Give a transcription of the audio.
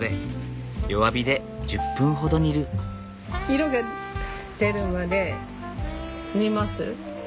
色が出るまで煮ます。